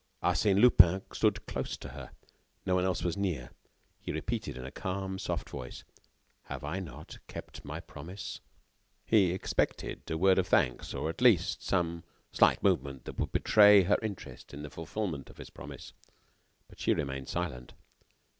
Arsène Lupin stood close to her. No one else was near. He repeated, in a calm, soft voice: "Have I not kept my promise?" He expected a word of thanks, or at least some slight movement that would betray her interest in the fulfillment of his promise. But she remained silent.